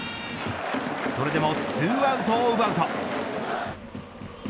それでも２アウトを奪うと。